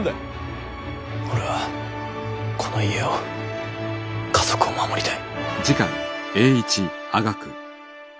俺はこの家を家族を守りたい。